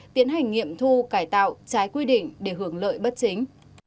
tiến hành nghiệm thu cải tạo trái quy định để hưởng lợi bất chính